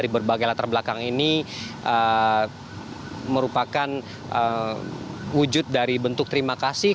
berbagai latar belakang ini merupakan wujud dari bentuk terima kasih